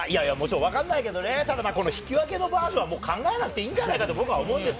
わかんないけれども、引き分けのバージョンは考えなくていいんじゃないかと僕は思うんです。